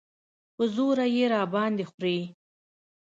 په زوره یې راباندې خورې.